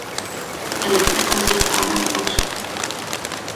Elle est présentée par Martin Short.